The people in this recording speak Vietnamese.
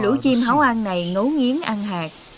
lũ chim hấu ăn này ngấu nghiếm ăn hạt